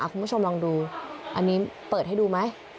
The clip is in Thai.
คุณผู้ชมลองดูอันนี้เปิดให้ดูไหม